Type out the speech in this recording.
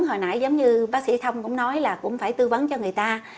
hồi nãi giống như bác sĩ thông cũng nói là cũng phải tư vấn cho người ta